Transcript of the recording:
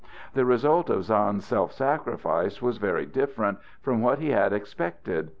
The result of Sand's self sacrifice was very different from what he had expected.